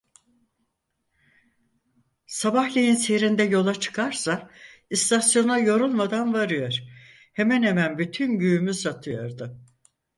Sabahleyin serinde yola çıkarsa istasyona yorulmadan varıyor, hemen hemen bütün güğümü satıyordu.